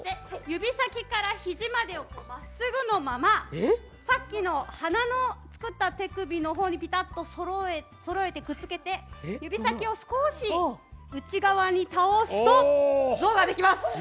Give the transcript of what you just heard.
指先からひじまでをまっすぐのままさっきの鼻を作った手首のほうにぴたっとそろえてくっつけて指先を少し内側に倒すと象ができます。